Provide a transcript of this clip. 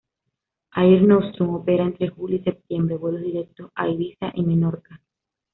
Air Nostrum opera entre julio y septiembre vuelos directos a Ibiza y Menorca.